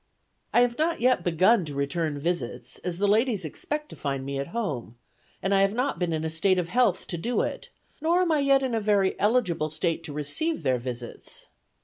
... "I have not yet begun to return visits, as the ladies expect to find me at home, and I have not been in a state of health to do it; nor am I yet in a very eligible state to receive their visits.